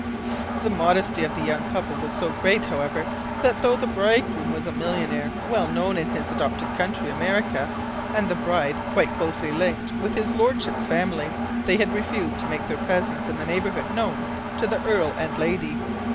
The modesty of the young couple was so great, however, that, though the bridegroom was a millionaire well known in his adopted country, America, and the bride quite closely linked with his lordship's family, they had refused to make their presence in the neighbourhood known to the Earl and Lady.